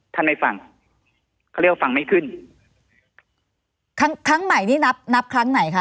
ไม่ฟังเขาเรียกว่าฟังไม่ขึ้นครั้งครั้งใหม่นี่นับนับครั้งไหนคะ